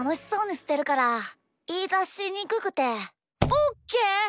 オッケー！